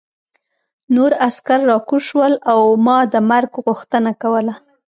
نور عسکر راکوز شول او ما د مرګ غوښتنه کوله